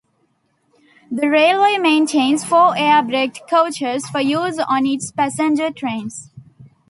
The railway maintains four air-braked coaches for use on its passenger trains.